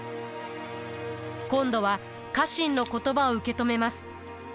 今度は家臣の言葉を受け止めます。